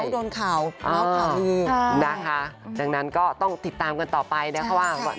ดังนั้นก็ต้องติดตามกันต่อไปนะคะว่า